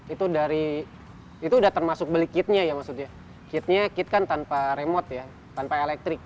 itu dari itu udah termasuk beli kitnya ya maksudnya kitnya kit kan tanpa remote ya tanpa elektrik